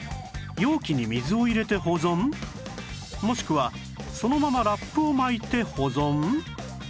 もしくはそのままラップを巻いて保存？